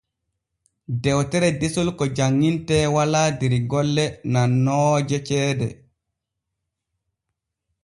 Dewtere desol ko janŋintee walaa der golle nannooje ceede.